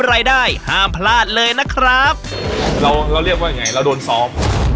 รายได้ห้ามพลาดเลยนะครับเราเราเรียกว่ายังไงเราโดนซอส